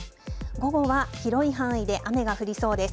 午後は広い範囲で雨が降りそうです。